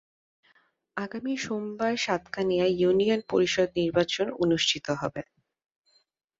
আগামী সোমবার সাতকানিয়ায় ইউনিয়ন পরিষদ নির্বাচন অনুষ্ঠিত হবে।